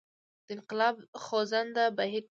د انقلاب خوځنده بهیر ټکنی شو.